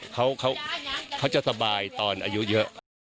เขาจะสบายตอนอายุเยอะ